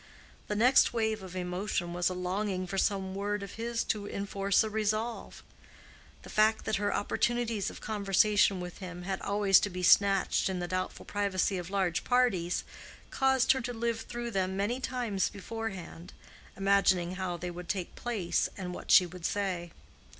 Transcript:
The next wave of emotion was a longing for some word of his to enforce a resolve. The fact that her opportunities of conversation with him had always to be snatched in the doubtful privacy of large parties, caused her to live through them many times beforehand, imagining how they would take place and what she would say.